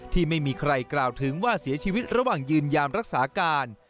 ที่ไม่มีใครกล่าวถึงว่าเสียชีวิตระหว่างยืนยามรักษาการ